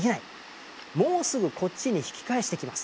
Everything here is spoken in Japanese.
もうすぐこっちに引き返してきます。